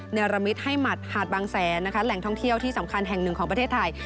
รมิตให้หัดหาดบางแสนนะคะแหล่งท่องเที่ยวที่สำคัญแห่งหนึ่งของประเทศไทย